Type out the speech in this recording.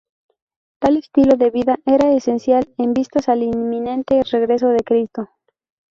Tal estilo de vida era esencial en vistas al inminente regreso de Cristo.